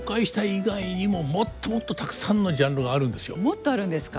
もっとあるんですか。